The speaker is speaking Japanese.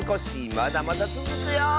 まだまだつづくよ！